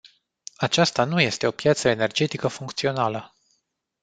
Aceasta nu este o piață energetică funcțională.